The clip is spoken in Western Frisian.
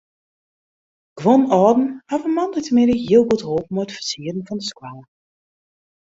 Guon âlden hawwe moandeitemiddei hiel goed holpen mei it fersieren fan de skoalle.